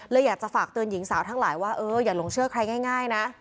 อยากจะฝากเตือนหญิงสาวทั้งหลายว่าเอออย่าหลงเชื่อใครง่ายนะ